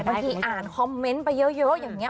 บางทีอ่านคอมเมนต์ไปเยอะอย่างนี้